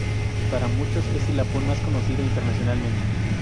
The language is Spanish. Para muchos es el lapón más conocido internacionalmente.